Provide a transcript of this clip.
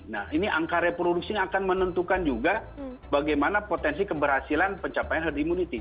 nah ini angka reproduksi akan menentukan juga bagaimana potensi keberhasilan pencapaian herd immunity